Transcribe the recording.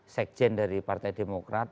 sekjen dari partai demokrat